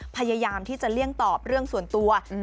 พยายามที่จะเลี่ยงตอบเรื่องส่วนตัว